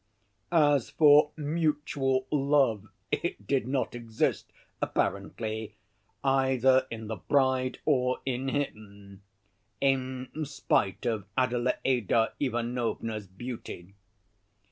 As for mutual love it did not exist apparently, either in the bride or in him, in spite of Adelaïda Ivanovna's beauty.